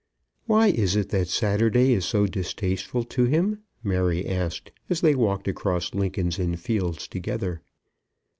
"Why is it that Saturday is so distasteful to him?" Mary asked as they walked across Lincoln's Inn Fields together.